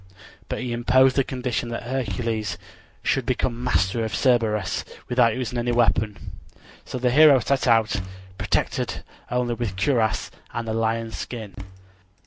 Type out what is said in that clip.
But he imposed the condition that Hercules should become master of Cerberus without using any weapons. So the hero set out, protected only with cuirass and the lion skin.